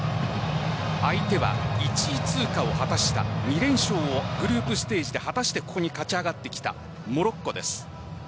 相手は１位通過を果たした２連勝をグループステージで果たしてここに勝ち上がってきたモロッコです。